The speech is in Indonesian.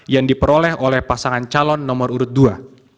yang diperoleh oleh pasangan calon nomor urut dua